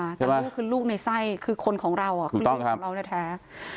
ลูกคือลูกในไส้คือคนของเราอ่ะคือคนของเราในแท้